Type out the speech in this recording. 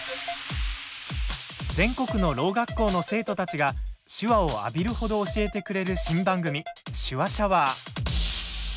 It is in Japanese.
全国のろう学校の生徒たちが手話を浴びるほど教えてくれる新番組「手話シャワー」。